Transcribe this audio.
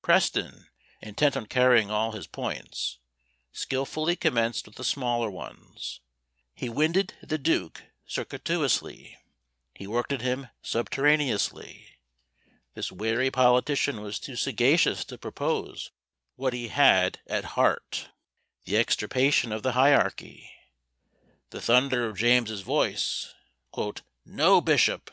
Preston, intent on carrying all his points, skilfully commenced with the smaller ones. He winded the duke circuitously, he worked at him subterraneously. This wary politician was too sagacious to propose what he had at heart the extirpation of the hierarchy! The thunder of James's voice, "No bishop!